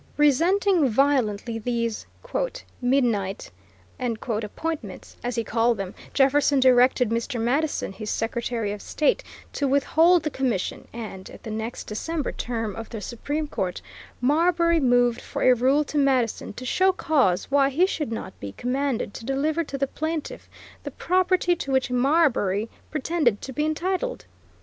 Resenting violently these "midnight" appointments, as he called them, Jefferson directed Mr. Madison, his Secretary of State, to withhold the commission; and, at the next December term of the Supreme Court, Marbury moved for a rule to Madison to show cause why he should not be commanded to deliver to the plaintiff the property to which Marbury pretended to be entitled.